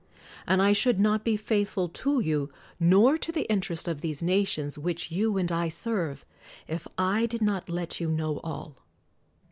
And I should not be faithful to you, nor to the interest of these nations which you and I serve, if I did not let you know all.